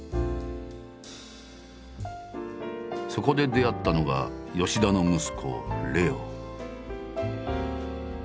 そこで出会ったのが田の息子玲雄。